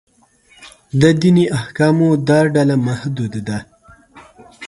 د دیني احکامو دا ډله محدود ده.